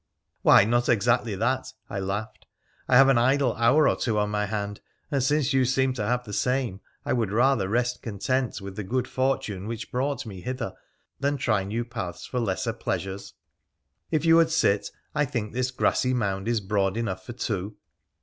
' Why, not exactly that,' I laughed. ' I have an idle hour or two on hand, and, since you seem to have the same, I would rather rest content with the good fortune which brought me hither than try new paths for lesser pleasures. If you would sit, I think this grassy mound is broad enough for two.'